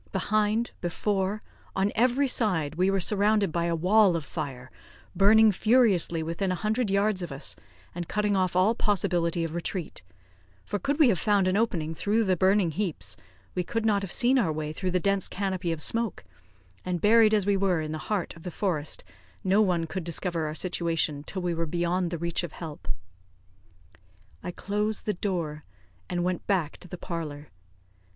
Behind, before, on every side, we were surrounded by a wall of fire, burning furiously within a hundred yards of us, and cutting off all possibility of retreat; for could we have found an opening through the burning heaps, we could not have seen our way through the dense canopy of smoke; and, buried as we were in the heart of the forest, no one could discover our situation till we were beyond the reach of help. I closed the door, and went back to the parlour.